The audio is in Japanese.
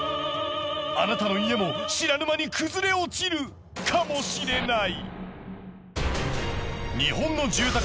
あなたの家も知らぬ間に崩れ落ちるかもしれない。